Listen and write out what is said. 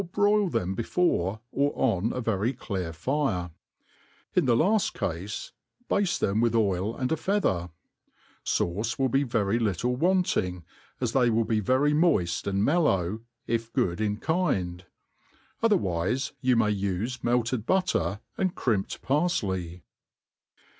broil them before, or on a very clear fire : in the laft cafe, bafte them with oil and a feather ; fauce Will be very little wanting, ^s they will be very moift and mellow, if good in kind ; other* wife yoti may ufe melted butter and crimped parflcy.